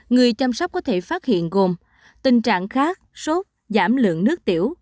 người chăm sóc có thể phát hiện gồm tình trạng khác sốt giảm lượng nước tiểu